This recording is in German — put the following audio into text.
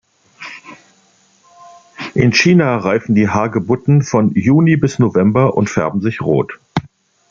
In China reifen die Hagebutten von Juni bis November und färben sich rot.